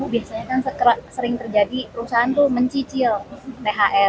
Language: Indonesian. biasanya kan sering terjadi perusahaan tuh mencicil thr